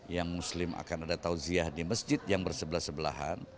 yang muslim akan ada tausiah di masjid yang bersebelah sebelahan